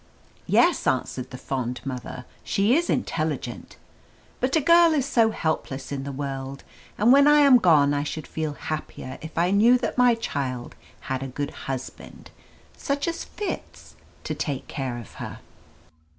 "Yes," answered the fond mother, "she is intelligent. But a girl is so helpless in the world, and when I am gone I should feel happier if I knew that my child had a good husband, such as Fitz, to take care of her."